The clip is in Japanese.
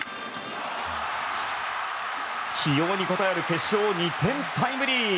起用に応える決勝２点タイムリー。